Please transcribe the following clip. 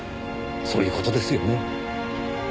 そういう事ですよね？